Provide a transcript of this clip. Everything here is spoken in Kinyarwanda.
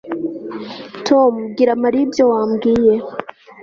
Tom bwira Mariya ibyo wambwiye